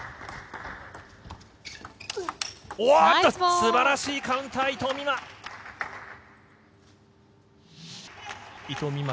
素晴らしいカウンター、伊藤美誠。